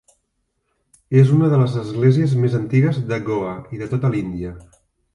És una de les esglésies més antigues de Goa i de tota l'Índia.